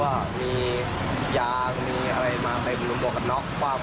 ตอนนั้นน่ะฝั่งนั้นน่ะเค้าบอกว่า